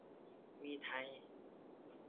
มีไทย